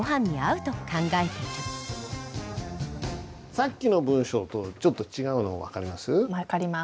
さっきの文章とちょっと違うの分かります？